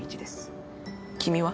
君は？